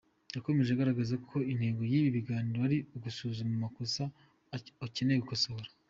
Yakomeje agaragaza ko intego y’ibi biganiro ari ugusuzuma amakosa akeneye gukosorwa.